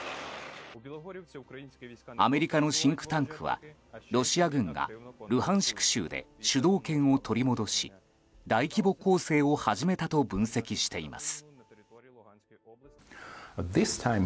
アメリカのシンクタンクはロシア軍がルハンシク州で主導権を取り戻し大規模攻勢を始めたと分析しています。